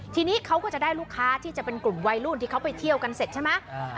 ทีนี้เขาก็จะได้ลูกค้าที่จะเป็นกลุ่มวัยรุ่นที่เขาไปเที่ยวกันเสร็จใช่ไหม